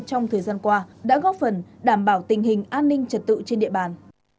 trong thời gian qua đã góp phần đảm bảo tình hình an ninh trật tự trên địa bàn